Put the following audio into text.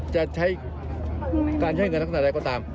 จะใช้การใช้เงินลักษณะใดก็ตาม